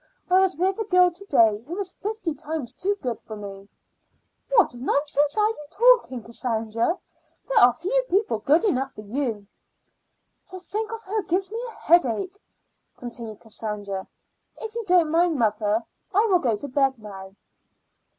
"I was with a girl to day who is fifty times too good for me." "What nonsense you are talking, Cassandra! There are few people good enough for you." "To think of her gives me a headache," continued Cassandra. "If you don't mind, mother, I will go to bed now."